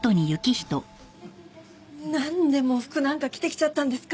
なんで喪服なんか着てきちゃったんですか！